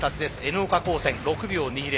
Ｎ岡高専６秒２０。